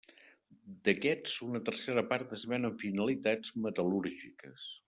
D’aquests una tercera part es ven amb finalitats metal·lúrgiques.